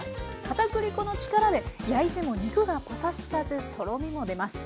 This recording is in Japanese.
かたくり粉の力で焼いても肉がパサつかずとろみも出ます。